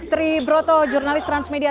tri broto jurnalis transmedia